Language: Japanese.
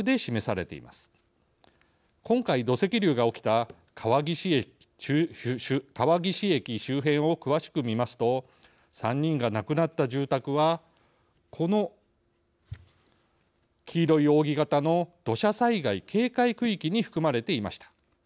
今回土石流が起きた川岸駅周辺を詳しく見ますと３人が亡くなった住宅はこの黄色い扇型の土砂災害警戒区域に含まれていました。